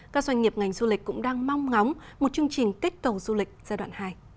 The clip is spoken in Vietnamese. các doanh nghiệp ngành du lịch cũng đang mong ngóng một chương trình kích cầu du lịch giai đoạn hai